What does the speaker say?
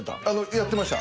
やってました